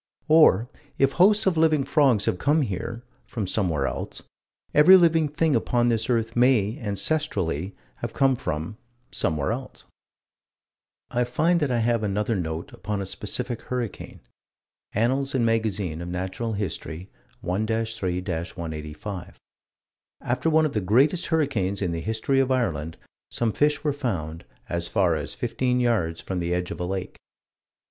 Or if hosts of living frogs have come here from somewhere else every living thing upon this earth may, ancestrally, have come from somewhere else. I find that I have another note upon a specific hurricane: Annals and Mag. of Nat. Hist., 1 3 185: After one of the greatest hurricanes in the history of Ireland, some fish were found "as far as 15 yards from the edge of a lake."